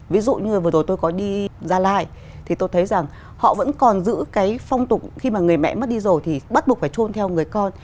ví dụ như vừa rồi tôi có đi gia lai thì tôi thấy rằng họ vẫn còn giữ cái phong tục khi mà người mẹ mất đi rồi thì bắt buộc phải trôn theo người con